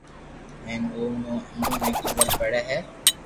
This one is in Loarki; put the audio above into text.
ھين اي مون امون ني خبر پڙي ھي